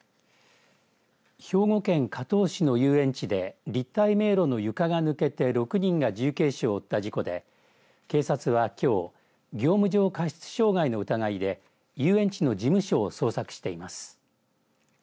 兵庫県加東市の遊園地で立体迷路の床が抜けて６人が重軽傷を負った事故で警察は、きょう業務上過失傷害の疑いで遊園地の事務所を捜索しています。